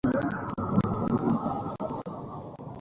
এই, ওখানেই থামো।